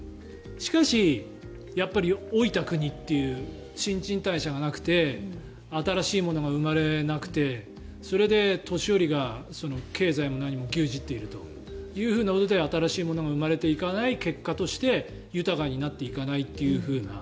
しかし、やっぱり老いた国という新陳代謝がなくて新しいものが生まれなくてそれで年寄りが経済も何も牛耳っているということで新しいものが生まれていかない結果として豊かになっていかないと。